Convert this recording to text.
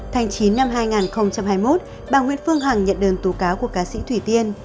tháng chín năm hai nghìn hai mươi một bà nguyễn phương hằng nhận đơn tố cáo của cá sĩ thủy tiên